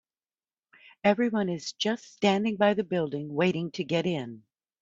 Everyone is just standing by the building, waiting to get in.